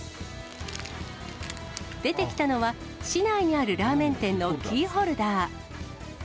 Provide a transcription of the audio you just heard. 出てきたのは、市内にあるラーメン店のキーホルダー。